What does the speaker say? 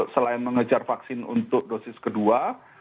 selain mengejar vaksin untuk dosis kedua